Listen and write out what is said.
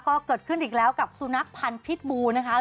ก็เกิดขึ้นอีกแล้วกับสุนัขพันธ์พิษบูนะคะ